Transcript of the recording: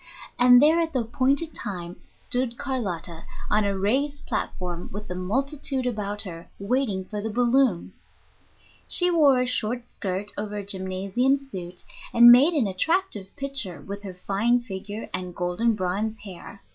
And there at the appointed time stood Carlotta on a raised platform, with the multitude about her, waiting for the balloon. She wore a short skirt over a gymnasium suit, and made an attractive picture with her fine figure and golden bronze hair.